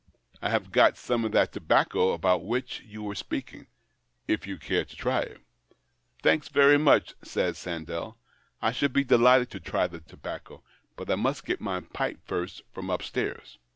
I have got some of that tobacco about which you were speaking, if you care to try it." "Thanks very much," said Sandell. "I should be delighted to try the tobacco, but I must get my pipe first from upstairs."